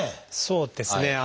そうですね。